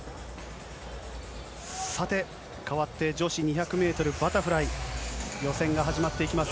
さて代わって、女子２００メートルバタフライ予選が始まっていきます。